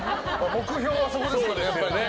目標はそこですよね。